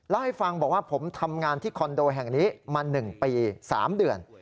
เล่าให้ฟังบอกว่าผมทำงานที่คอนโดแห่งนี้มา๑ปี๓เดือน